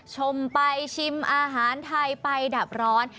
ชมไปชิมอาหารไทยไปดับร้อน